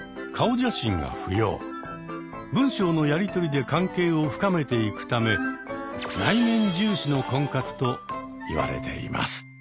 文章のやり取りで関係を深めていくため「内面重視の婚活」といわれています。